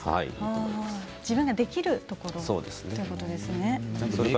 自分ができるところということですね。